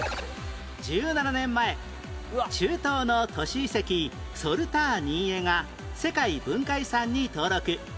１７年前中東の都市遺跡ソルターニーエが世界文化遺産に登録